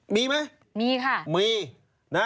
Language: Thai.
มีไหมมีค่ะ